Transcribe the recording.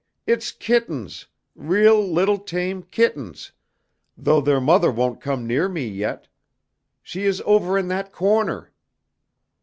it's kittens, real little tame kittens, though their mother won't come near me yet. She is over in that corner."